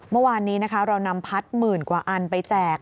เมื่อวานนี้นะคะเรานำพัดหมื่นกว่าอันไปแจก